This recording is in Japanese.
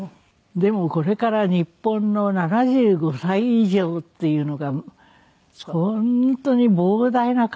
でもこれから日本の７５歳以上っていうのが本当に膨大な数になるわけで。